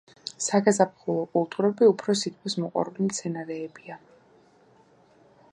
საგაზაფხულო კულტურები უფრო სითბოს მოყვარული მცენარეებია.